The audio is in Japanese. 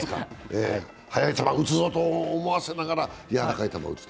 速い球、打つぞと思わせながらやわらかい球を打つとか。